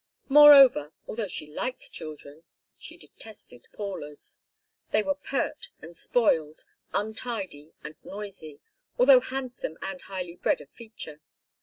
Moreover, although she liked children, she detested Paula's. They were pert and spoiled, untidy and noisy, although handsome and highly bred of feature.